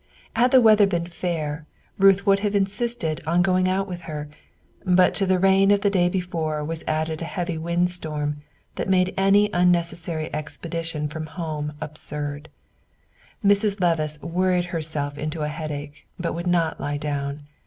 Had the weather been fair, Ruth would have insisted on her going out with her; but to the rain of the day before was added a heavy windstorm that made any unnecessary expedition from home absurd. Mrs. Levice worried herself into a headache, but would not lie down.